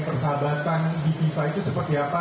persahabatan di kita itu seperti apa